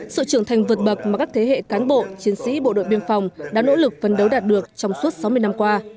sự trưởng thành vượt bậc mà các thế hệ cán bộ chiến sĩ bộ đội biên phòng đã nỗ lực phân đấu đạt được trong suốt sáu mươi năm qua